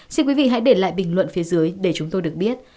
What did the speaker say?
xin quý vị hãy để lại bình luận phía dưới để chúng tôi được biết